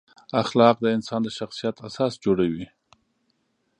اخلاق د انسان د شخصیت اساس جوړوي.